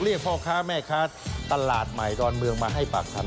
เรียกพ่อค้าแม่ค้าตลาดใหม่ดอนเมืองมาให้ปากคำ